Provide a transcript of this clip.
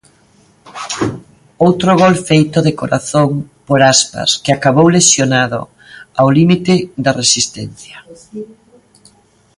Outro gol feito de corazón por Aspas que acabou lesionado ao límite da resistencia.